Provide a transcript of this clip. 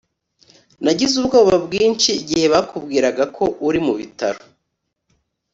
nagize ubwoba bwinshi igihe bakubwiraga ko uri mu bitaro